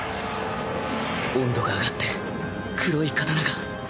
温度が上がって黒い刀が赤くなる！